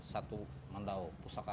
satu mandau pusaka